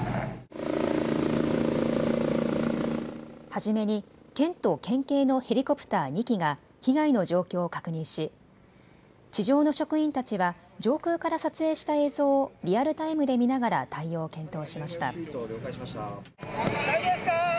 初めに県と県警のヘリコプター２機が被害の状況を確認し地上の職員たちは上空から撮影した映像をリアルタイムで見ながら対応を検討しました。